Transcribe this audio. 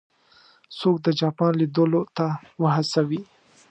څوک د جاپان لیدلو ته وهڅوي.